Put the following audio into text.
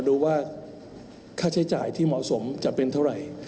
ดูว่าค่าใช้จ่ายที่เหมาะสมจะเป็นเท่าไหร่